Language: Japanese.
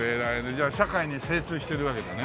じゃあ社会に精通してるわけだね？